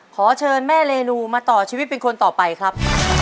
ขอเชิญแม่เรนูมาต่อชีวิตเป็นคนต่อไปครับ